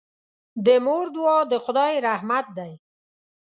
د مور دعا د خدای رحمت دی.